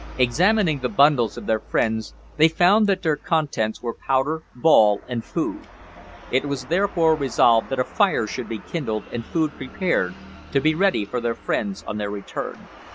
Examining the bundles of their friends, they found that their contents were powder, ball, and food. It was therefore resolved that a fire should be kindled, and food prepared, to be ready for their friends on their return.